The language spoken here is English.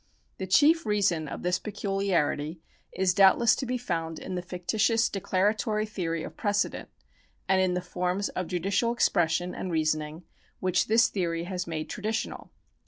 ^ The chief reason of this peculiarity is doubtless to be found in the fictitious declaratory theory of precedent, and in the forms of judicial expression and reasoning which this theory has made traditional.